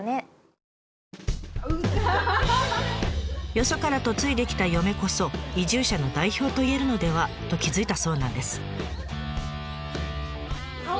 よそから嫁いできた嫁こそ移住者の代表といえるのでは？と気付いたそうなんです。